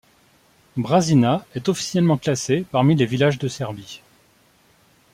Brasina est officiellement classée parmi les villages de Serbie.